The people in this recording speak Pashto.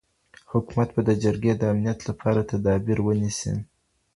حکومت به د جرګي د امنيت لپاره تدابير ونيسي.